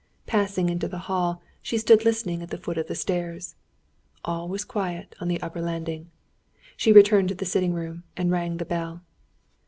Passing into the hall, she stood listening at the foot of the stairs. All was quiet on the upper landing. She returned to the sitting room, and rang the bell.